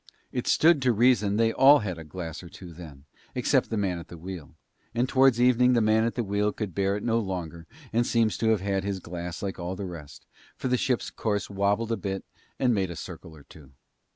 It stood to reason they all had a glass or two then, except the man at the wheel; and towards evening the man at the wheel could bear it no longer, and seems to have had his glass like all the rest, for the ship's course wobbled a bit and made a circle or two.